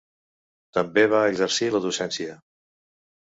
També va exercir la docència.